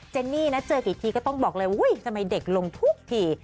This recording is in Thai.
นี่นะเจอกี่ทีก็ต้องบอกเลยทำไมเด็กลงทุกที